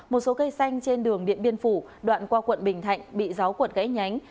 một số cây xanh trên đường điện biên phủ đoạn qua quận bình thạnh bị giáo quật gãy nhánh